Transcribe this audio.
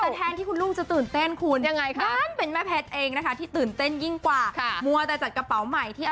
แต่แทนที่คุณลุงจะตื่นเต้นคุณยังไงคะด้านเป็นแม่แพทย์เองนะคะที่ตื่นเต้นยิ่งกว่ามัวแต่จัดกระเป๋าใหม่ที่